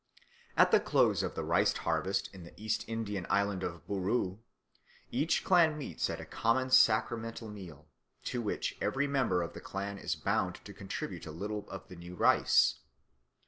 At the close of the rice harvest in the East Indian island of Buru, each clan meets at a common sacramental meal, to which every member of the clan is bound to contribute a little of the new rice.